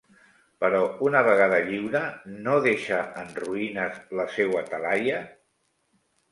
Però una vegada lliure, no deixa en ruïnes la seua talaia?